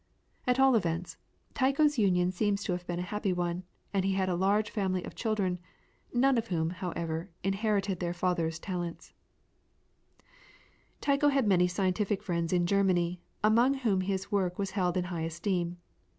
At all events, Tycho's union seems to have been a happy one, and he had a large family of children; none of whom, however, inherited their father's talents. [PLATE: TYCHO'S MURAL QUADRANT PICTURE, URANIBORG.] Tycho had many scientific friends in Germany, among whom his work was held in high esteem.